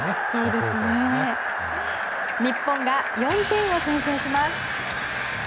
日本が４点を先制します。